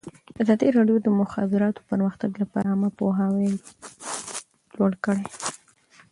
ازادي راډیو د د مخابراتو پرمختګ لپاره عامه پوهاوي لوړ کړی.